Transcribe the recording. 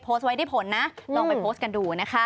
โพสต์ไว้ได้ผลนะลองไปโพสต์กันดูนะคะ